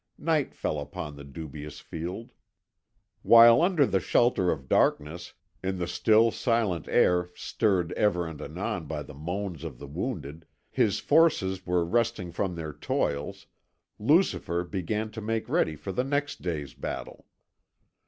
Night fell upon the dubious field. While under the shelter of darkness, in the still, silent air stirred ever and anon by the moans of the wounded, his forces were resting from their toils, Lucifer began to make ready for the next day's battle.